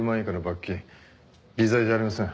微罪じゃありません。